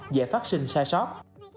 dễ phát sinh sai sót